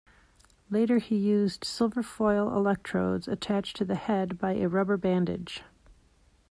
Later he used silver foil electrodes attached to the head by a rubber bandage.